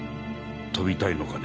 飛びたいのかね？